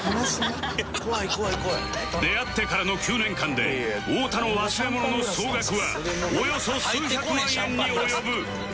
出会ってからの９年間で太田の忘れ物の総額はおよそ数百万円に及ぶ